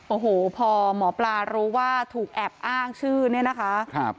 โอ้โหพอหมอปลารู้ว่าถูกแอบอ้างชื่อเนี่ยนะคะ